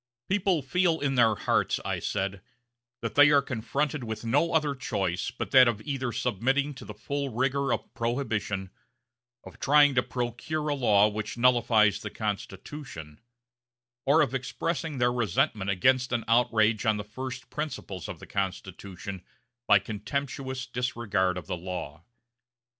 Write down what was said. "People feel in their hearts," I said, "that they are confronted with no other choice but that of either submitting to the full rigor of Prohibition, of trying to procure a law which nullifies the Constitution, or of expressing their resentment against an outrage on the first principles of the Constitution by contemptuous disregard of the law."